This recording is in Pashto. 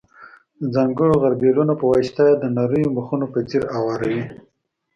د ځانګړو غربیلونو په واسطه یې د نریو مخونو په څېر اواروي.